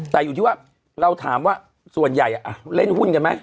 แต่อยู่ที่ว่าเราถามว่าส่วนใหญ่เล่นหุ้นกันไหม